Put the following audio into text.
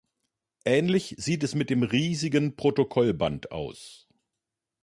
Ähnlich sieht es mit dem riesigen Protokollband aus.